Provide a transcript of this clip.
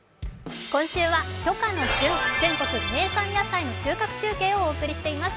今週は初夏の旬、全国名産野菜の収穫中継をお送りしています。